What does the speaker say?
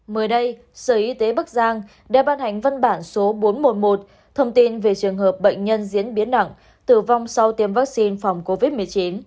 mới đây sở y tế bắc giang đã ban hành văn bản số bốn trăm một mươi một thông tin về trường hợp bệnh nhân diễn biến nặng tử vong sau tiêm vaccine phòng covid một mươi chín